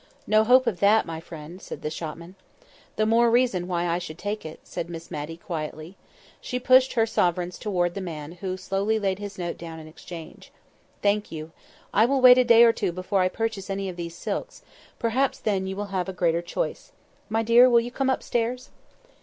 "No hope of that, my friend," said the shopman. "The more reason why I should take it," said Miss Matty quietly. She pushed her sovereigns towards the man, who slowly laid his note down in exchange. "Thank you. I will wait a day or two before I purchase any of these silks; perhaps you will then have a greater choice. My dear, will you come upstairs?"